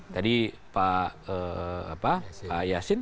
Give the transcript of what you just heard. tadi pak yasin